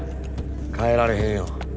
変えられへんよ。